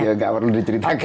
ya gak perlu diceritakan